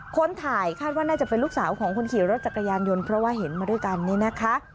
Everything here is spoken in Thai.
คนถ่ายคาดว่าน่าจะเป็นลูกสาวของคนขี่รถจักรยานยนต์เพราะว่าเห็นมาด้วยกันนี่นะคะ